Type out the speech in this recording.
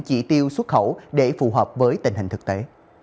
chỉ tiêu xuất khẩu để phù hợp với tình hình thực tế